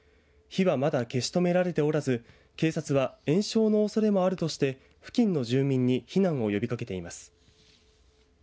火はまだ消し止められておらず警察は延焼のおそれもあるとして付近の住民に避難を呼びかけています。